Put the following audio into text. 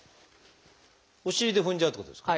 お尻で踏んじゃうっていうことですか？